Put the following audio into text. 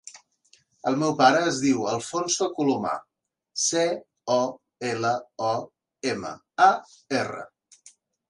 El meu pare es diu Alfonso Colomar: ce, o, ela, o, ema, a, erra.